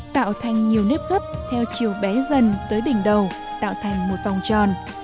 tạo thành nhiều nếp khấp theo chiều bé dần tới đỉnh đầu tạo thành một vòng tròn